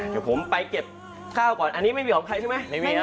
เดี๋ยวผมไปเก็บข้าวก่อนอันนี้ไม่มีของใครใช่ไหมไม่มีนะ